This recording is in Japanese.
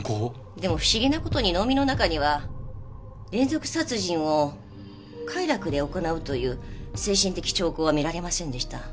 でも不思議な事に能見の中には連続殺人を快楽で行うという精神的兆候は見られませんでした。